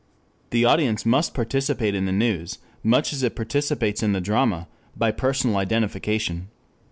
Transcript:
The audience must participate in the news, much as it participates in the drama, by personal identification.